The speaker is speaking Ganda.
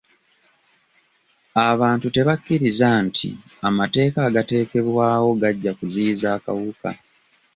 Abantu tebakkiriza nti amateeka agaateekebwawo gajja kuziyiza akawuka.